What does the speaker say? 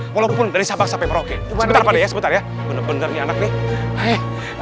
walaupun dari sabang sampai merauke buatnya sebetulnya bener bener nih anak nih eh eh